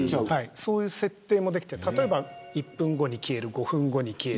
そういう設定ができて１分後に消える５分後に消える。